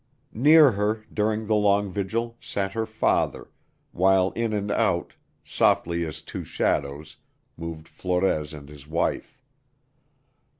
Near her, during the long vigil, sat her father, while in and out, softly as two shadows, moved Flores and his wife.